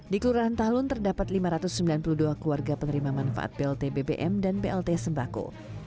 di kelurahan talun terdapat lima ratus sembilan puluh dua keluarga penerima manfaat blt bbm dan blt sembako